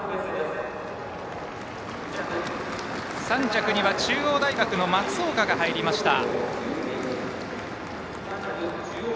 ３着には中央大学の松岡が入りました。